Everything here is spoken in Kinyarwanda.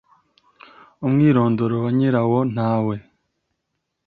umwirondoro wa nyirayo ntawe.